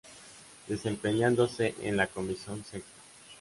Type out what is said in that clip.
Desempeñándose en la Comisión Sexta.